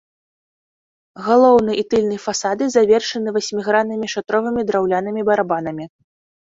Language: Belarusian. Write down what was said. Галоўны і тыльны фасады завершаны васьміграннымі шатровымі драўлянымі барабанамі.